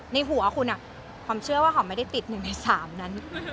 ในหัวคุณความเชื่อว่าหอมไม่ได้ติดหนึ่งในสามนั้น